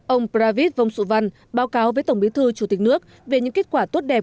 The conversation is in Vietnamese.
ông pravit vong su van báo cáo với tổng bí thư chủ tịch nước về những kết quả tốt đẹp